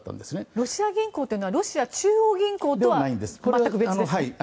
ロシア銀行というのはロシア中央銀行とは全く別と。